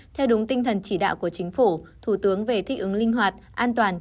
theo đúng tinh thần chỉ đạo của chính phủ thủ tướng về thích ứng linh hoạt an toàn